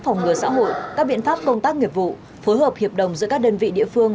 phòng ngừa xã hội các biện pháp công tác nghiệp vụ phối hợp hiệp đồng giữa các đơn vị địa phương